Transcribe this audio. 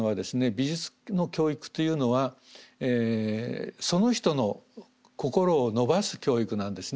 美術の教育というのはその人の心を伸ばす教育なんですね。